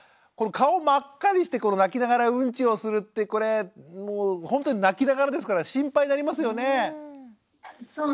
顔を真っ赤にして泣きながらウンチをするってこれもうほんとに泣きながらですから心配になりますよね？